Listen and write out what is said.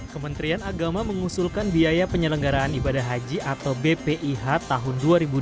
kementerian agama mengusulkan biaya penyelenggaraan ibadah haji atau bpih tahun dua ribu dua puluh